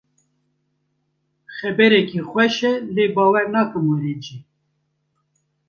Xebereke xweş e lê bawer nakim were cî.